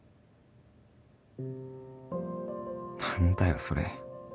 何だよそれ